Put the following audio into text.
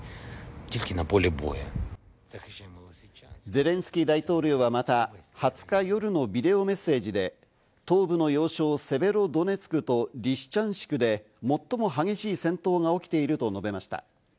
ゼレンスキー大統領はまた、２０日夜のビデオメッセージで東部の要衝セベロドネツクとリシチャンシクで最も激しい戦闘が起きていると述べました。